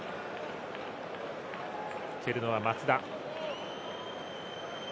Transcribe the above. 蹴るのは松田。